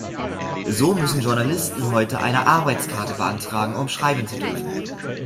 So müssen Journalisten heute eine Arbeitskarte beantragen, um schreiben zu dürfen.